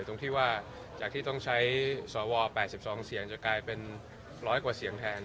ตรงที่ว่าจากที่ต้องใช้สว๘๒เสียงจะกลายเป็น๑๐๐กว่าเสียงแทน